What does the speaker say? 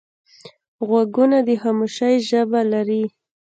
غوږونه د خاموشۍ ژبه لري